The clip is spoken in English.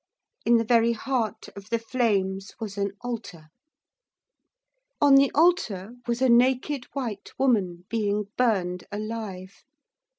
In the very heart of the flames was an altar. On the altar was a naked white woman being burned alive.